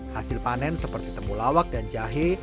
hasil panen seperti temulawak dan jahe